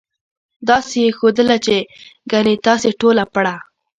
داسې یې ښودله چې ګنې تاسې ټوله پړه.